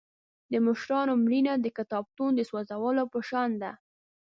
د مشرانو مړینه د کتابتون د سوځولو په شان ده.